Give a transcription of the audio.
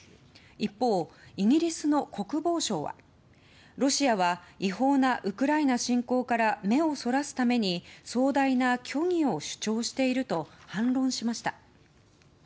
一方、イギリスの国防省はロシアは違法なウクライナ侵攻から目をそらすために壮大な虚偽を主張していると反論しました。